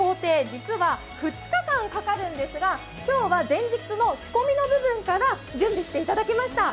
実は２日間かかるんですが今日は前日の仕込みの部分から準備していただきました。